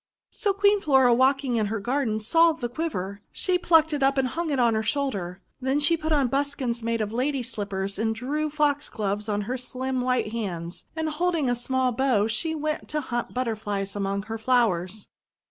So Queen Flora, walking in her garden, saw the quiver. She plucked it and hung it on her shoulder. Then she put on buskins made of Lady's slippers, and drew Foxgloves on her slim white hands; and, holding a small bow, she went to hunt Butterflies among her flowers.